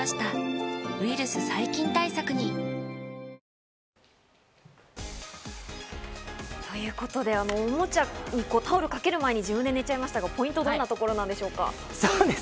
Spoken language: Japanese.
おもちゃにタオルはということで、おもちゃにタオルをかける前に自分で寝ちゃいましたがポイントはどんなところですか？